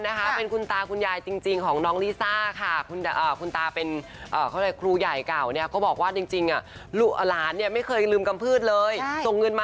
โอเคเพราะฉะนั้นผมไม่ค่อยแคร์ครับผม